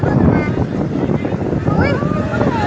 เหมือนช้องเหรอ